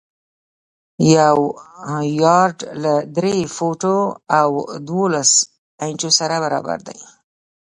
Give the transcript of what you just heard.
یو یارډ له درې فوټو او دولس انچو سره برابر دی.